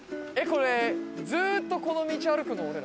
これずっとこの道歩くの？